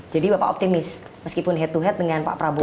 jadi bapak optimis meskipun head to head dengan pak prabowo